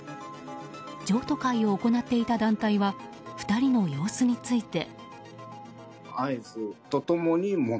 譲渡会を行っていた団体は２人の様子について。